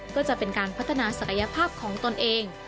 ก็จะเป็นการพัฒนาศักยภาพของตนเอง